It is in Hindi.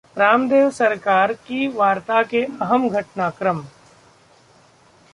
रामदेव-सरकार की वार्ता के अहम घटनाक्रम